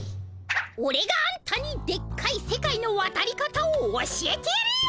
オレがあんたにでっかい世界のわたり方を教えてやるよ。